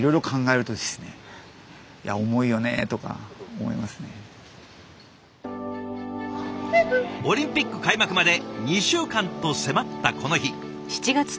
そうですねまあオリンピック開幕まで２週間と迫ったこの日。